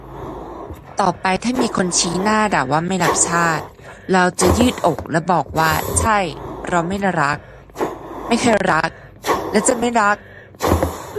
ต่อไปถ้ามีคนชี้หน้าด่าว่าไม่รักชาติเราจะยืดอกและบอกว่าใช่เราไม่รัก ไม่เคยรักและจะไม่รัก